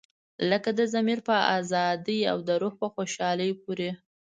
لکه د ضمیر په ازادۍ او د روح په خوشحالۍ پورې.